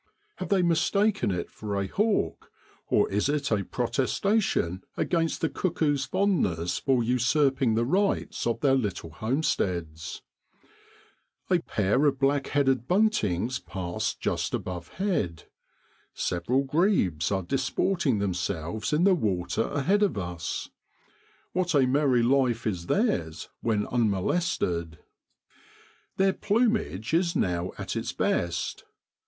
Have they mistaken it for a hawk, or is it a protestation against the cuckoo's fondness for usurping the rights of their little homesteads ? A pair of black headed buntings pass just above head. Several grebes are dis porting themselves in the water ahead of us. What a merry life is theirs when unmolested! Their plumage is now at its best.